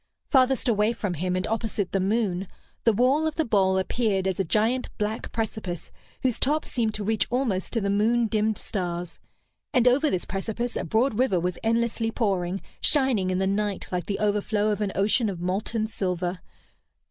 Farthest away from him, and opposite the moon, the wall of the bowl appeared as a giant black precipice, whose top seemed to reach almost to the moon dimmed stars; and over this precipice a broad river was endlessly pouring, shining in the night like the overflow of an ocean of molten silver.